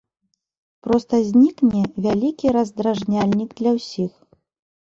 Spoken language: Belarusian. Проста знікне вялікі раздражняльнік для ўсіх.